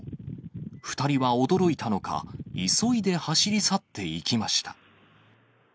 ２人は驚いたのか、急いで走り去っていきました。